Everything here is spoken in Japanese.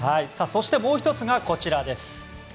そして、もう１つがこちらです。